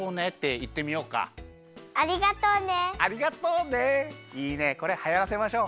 いいねこれはやらせましょう！